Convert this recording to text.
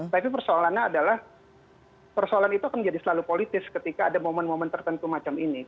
tapi persoalannya adalah persoalan itu akan menjadi selalu politis ketika ada momen momen tertentu macam ini